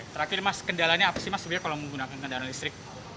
terakhir mas kendalanya apa sih mas sebenarnya kalau menggunakan kendaraan listrik